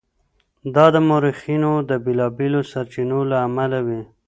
دا د مورخینو د بېلابېلو سرچینو له امله وي.